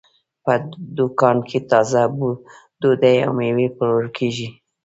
په دوکان کې تازه ډوډۍ او مېوې پلورل کېږي.